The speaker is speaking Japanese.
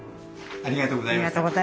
ありがとうございます。